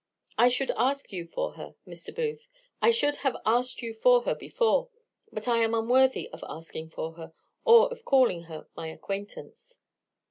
I should ask you for her, Mr. Booth; I should have asked you for her before; but I am unworthy of asking for her, or of calling her my acquaintance."